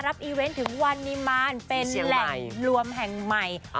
อีเวนต์ถึงวันนิมานเป็นแหล่งรวมแห่งใหม่